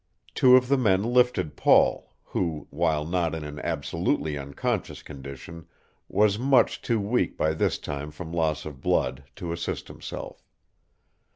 Two of the men lifted Paul, who, while not in an absolutely unconscious condition, was much too weak by this time from loss of blood to assist himself.